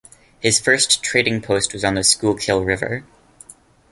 His first trading post was on the Schuylkill River.